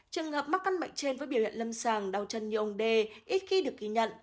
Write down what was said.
trường hợp mắc căn bệnh trên với biểu hiện lâm sàng đau chân như ông đê ít khi được ghi nhận